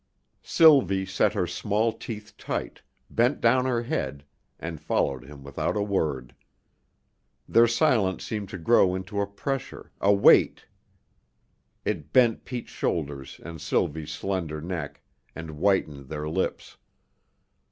Sylvie set her small teeth tight, bent down her head, and followed him without a word. Their silence seemed to grow into a pressure, a weight. It bent Pete's shoulders and Sylvie's slender neck, and whitened their lips.